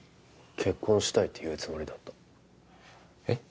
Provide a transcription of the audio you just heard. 結婚したいって言うつもりだったえっ？